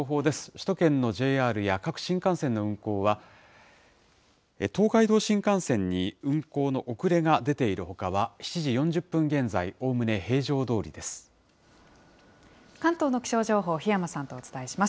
首都圏のＪＲや各新幹線の運行は、東海道新幹線に運行の遅れが出ているほかは、７時４０分現在、関東の気象情報、檜山さんとお伝えします。